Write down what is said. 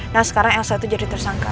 nah sekarang elsa itu jadi tersangka